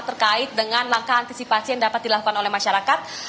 terkait dengan langkah antisipasi yang dapat dilakukan oleh masyarakat